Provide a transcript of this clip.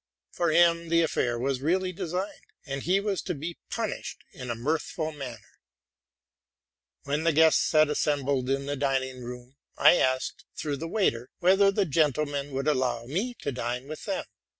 For him the affair was really designed, and he was to be punished in a mirthful manner. When the guests had assembled in the dining room, I asked, through the waiter, whether the gentlemen would allow me. to dine with them.